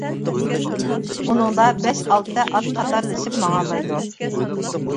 ئۇنىڭدا بەش، ئالتە ئات قاتارلىشىپ ماڭالايدۇ.